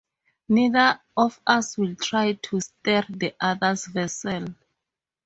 Neither of us will try to steer the other's vessel.